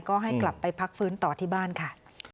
ก็ให้กลับไปพักฟื้นต่อที่บ้านค่ะ